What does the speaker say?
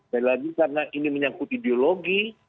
sekali lagi karena ini menyangkut ideologi